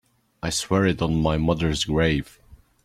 I swear it on my mother's grave.